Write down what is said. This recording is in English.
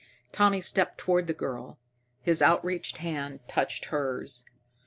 Tommy stepped toward the girl. His outstretched hand touched hers.